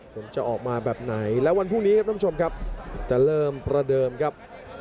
ผลจะออกมาแบบไหนและวันพรุ่งนี้ครับท่านผู้ชมครับจะเริ่มประเดิมครับ